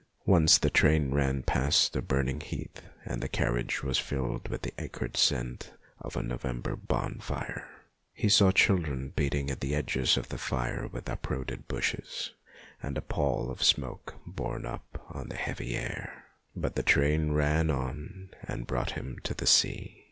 Once the train ran past a burning heath and the carriage was filled with the acrid scent of a November bonfire. He saw children beating at the edges of the fire with uprooted bushes, and a pall of smoke borne up on the heavy air. But the train ran on and brought him to the sea.